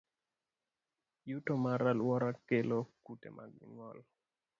Yuto mar alwora kelo kute mag ng'ol.